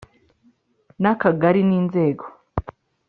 N akagari n inzego